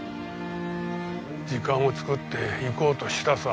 時間を作って行こうとしたさ。